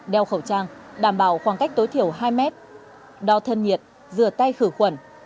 đeo khẩu trang đảm bảo khoảng cách tối thiểu hai mét đo thân nhiệt rửa tay khử khuẩn